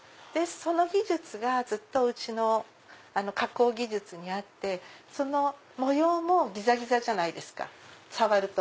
その技術がうちの加工技術にあってその模様もギザギザじゃないですか触ると。